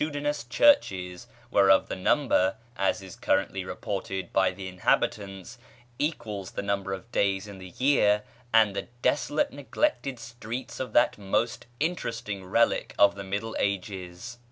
[page xxiv] dinous churches (whereof the number, as is currently reported by the inhabitants, equals the number of days in the year), and the desolate neglected streets of that most interesting relic of the Middle Ages.